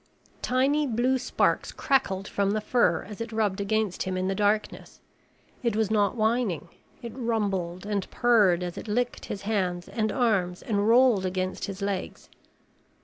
Tiny blue sparks crackled from the fur as it rubbed against him in the darkness. It was not whining. It rumbled and purred as it licked his hands and arms and rolled against his legs.